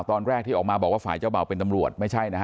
ตอนแรกที่ออกมาบอกว่าฝ่ายเจ้าเบ่าเป็นตำรวจไม่ใช่นะฮะ